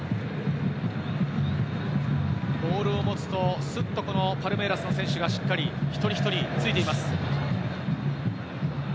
ボールを持つと、スッとパルメイラスの選手がしっかり一人一人ついています。